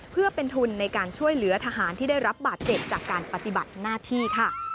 เพื่อเป็นทุนในการช่วยเหลือทหารที่ได้รับบาดเจ็บจากการปฏิบัติหน้าที่ค่ะ